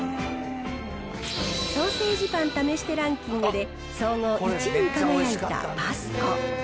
ソーセージパン試してランキングで総合１位に輝いたパスコ。